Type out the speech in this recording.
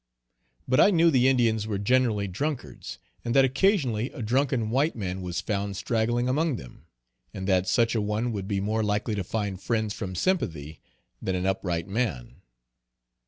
But I knew the Indians were generally drunkards, and that occasionally a drunken white man was found straggling among them, and that such an one would be more likely to find friends from sympathy than an upright man.